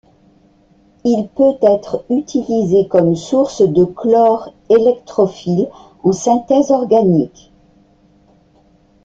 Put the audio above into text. Il peut être utilisé comme source de chlore électrophile en synthèse organique.